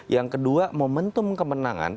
yang kedua momentum kemenangan